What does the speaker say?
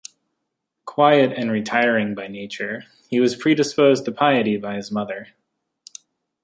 Quiet and retiring by nature, he was predisposed to piety by his mother.